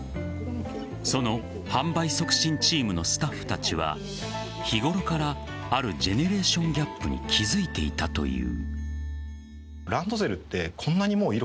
その販売促進チームのスタッフたちは日ごろからあるジェネレーションギャップに気付いていたという。